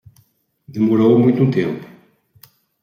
Demorou muito tempo